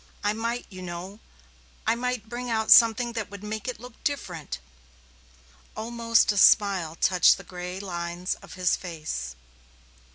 I might, you know I might bring out something that would make it look different." Almost a smile touched the gray lines of his face.